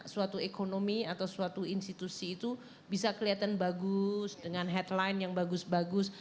suatu ekonomi atau suatu institusi itu bisa kelihatan bagus dengan headline yang bagus bagus